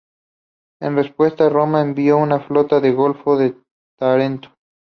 En respuesta, Roma envió una flota al golfo de Tarento.